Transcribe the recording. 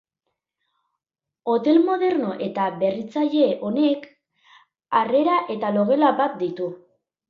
Hotel moderno eta berritzaile honek, harrera eta logela bat ditu.